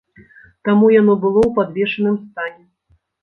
Таму яно было ў падвешаным стане.